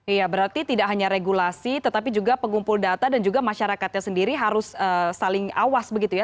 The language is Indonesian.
iya berarti tidak hanya regulasi tetapi juga pengumpul data dan juga masyarakatnya sendiri harus saling awas begitu ya